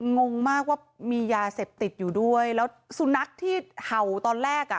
งงมากว่ามียาเสพติดอยู่ด้วยแล้วสุนัขที่เห่าตอนแรกอ่ะ